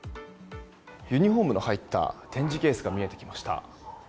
ユニホームの入った展示ケースが見えてきました。